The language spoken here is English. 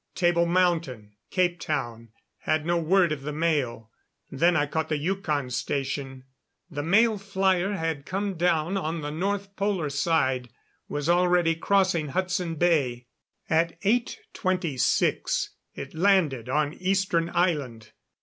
Table Mountain, Capetown, had no word of the mail. Then I caught the Yukon Station. The mail flyer had come down on the North Polar side was already crossing Hudson Bay. At 8:26 it landed on Eastern Island.